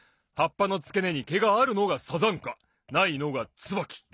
はっぱのつけねにけがあるのがサザンカ！ないのがツバキ！